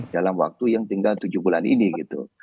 dalam waktu yang tinggal tujuh bulan ini gitu